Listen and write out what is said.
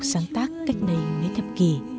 sáng tác cách này mấy thập kỷ